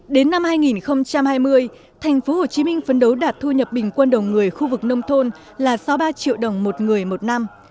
đến năm hai nghìn hai mươi tp hcm phấn đấu đạt thu nhập bình quân đầu người khu vực nông thôn là sáu mươi ba triệu đồng một người một năm